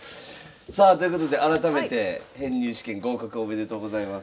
さあということで改めて編入試験合格おめでとうございます。